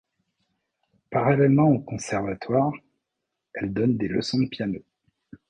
Parallèlement au conservatoire, elle donne des leçons de piano.